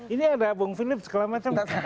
ini ada bang philips kelametan